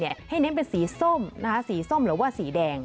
พระอาหารให้เน้นเป็นสีส้มหรือว่าสีแดง